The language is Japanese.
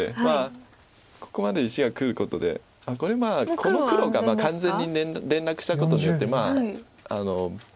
まあここまで石がくることでこれこの黒が完全に連絡したことによってまあ。